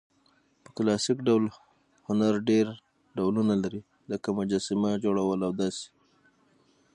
په کلاسیک ډول هنرډېر ډولونه لري؛ لکه: مجسمه، جوړول او داسي...